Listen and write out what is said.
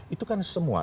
itu kan semua